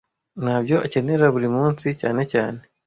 Nta byo akenera buri munsi, cyane cyane.